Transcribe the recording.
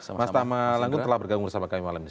mas tama lagun telah bergabung bersama kami malam ini